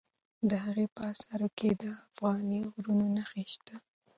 د هغه په آثارو کې د افغاني غرور نښې شته.